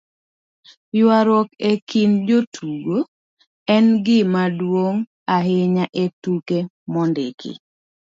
ywaruok e kind jotugo en gimaduong' ahinya e tuke mondiki